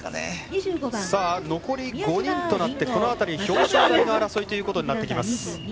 残り５人となってこの辺り、表彰台の争いということになってきます。